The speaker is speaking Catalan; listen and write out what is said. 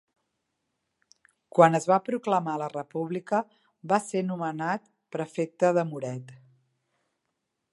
Quan es va proclamar la República va ser nomenat prefecte de Muret.